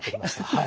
はい。